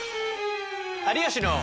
「有吉の」。